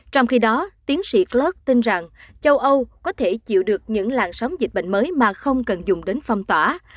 trong khi đó tiến sĩ clut tin rằng châu âu có thể chịu được những làn sóng dịch bệnh mới mà không cần dùng đến phong tỏa